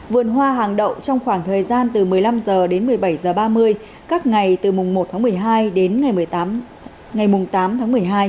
vườn hoa hàng đậu trong khoảng thời gian từ một mươi năm h đến một mươi bảy h ba mươi các ngày từ một tháng một mươi hai đến một mươi tám h ba mươi